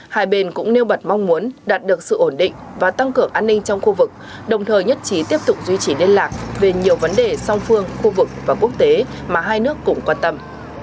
hai bên cũng nêu bật mong muốn đạt được sự ổn định và tăng cường an ninh trong khu vực đồng thời nhất trí tiếp tục duy trì liên lạc về nhiều vấn đề song phương khu vực và quốc tế mà hai nước cũng quan tâm